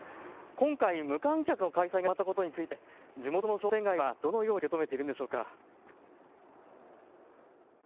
今回、無観客での開催が決まったことについて地元の商店街はどのように受け止めているんでしょうか。